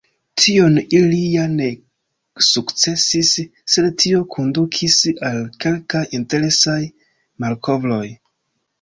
Tion ili ja ne sukcesis, sed tio kondukis al kelkaj interesaj malkovroj.